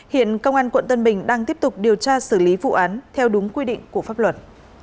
hiện công an quận tân bình đang tiếp tục điều tra xử lý vụ án theo đúng quy định của pháp luật